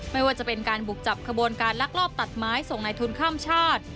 ไม่ว่าจะเป็นการบุกจับขบวนการลักลอบตัดไม้ส่งในทุนข้ามชาติ